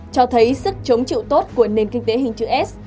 cho thấy sức chống chịu tốt của nền kinh tế hình chữ s